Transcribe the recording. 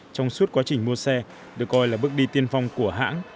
trong suốt quá trình mua xe được coi là bước đi tiên phong của hãng